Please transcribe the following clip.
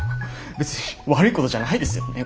別に悪いことじゃないですよね